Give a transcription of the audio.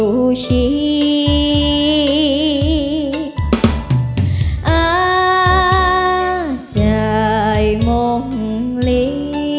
ปูชีอาจายมงหลี